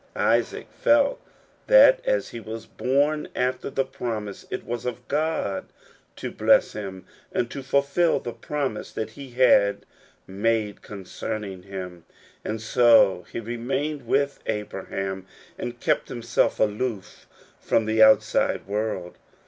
Isaac felt that as he was born after the promise, it was for God to bless him, and to fulfill the promise that he had made concerning him ; and so he re mained with Abraham and kept himself aloof from the outside world.